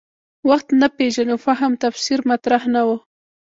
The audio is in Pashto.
وخت نه پېژنو فهم تفسیر مطرح نه و.